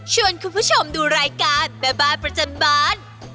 ชวนคุณผู้ชมดูรายการแม่บ้านประจำบาน